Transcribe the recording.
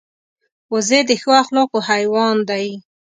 وزې د ښو اخلاقو حیوان دی